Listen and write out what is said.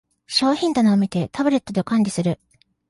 商品棚を見て、タブレットで管理する